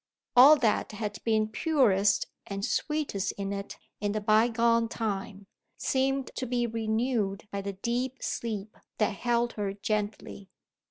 All that had been purest and sweetest in it, in the by gone time, seemed to be renewed by the deep sleep that held her gently.